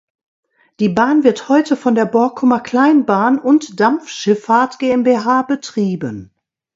Die Bahn wird heute von der Borkumer Kleinbahn und Dampfschiffahrt GmbH betrieben.